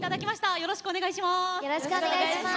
よろしくお願いします。